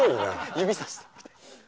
指さしてみたいな。